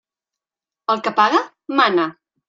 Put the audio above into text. El que paga, mana.